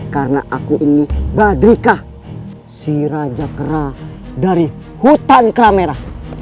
karena aku ini badrika si raja kera dari hutan keramera